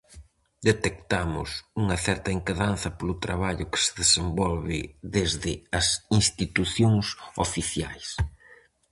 Detectamos unha certa inquedanza polo traballo que se desenvolve desde as institucións oficiais.